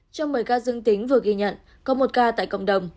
trong một mươi ca dương tính vừa ghi nhận có một ca tại cộng đồng